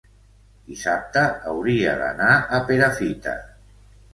dissabte hauria d'anar a Perafita.